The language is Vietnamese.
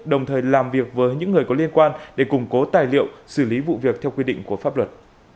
đồng thời làm việc với những người có liên quan để củng cố tài liệu xử lý vụ việc theo quy định của pháp luật